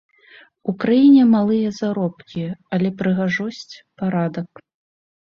У краіне малыя заробкі, але прыгажосць, парадак.